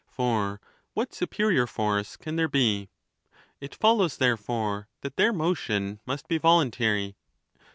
For what supe rior force can there be ? It follows, therefore, that their motion must be voluntary.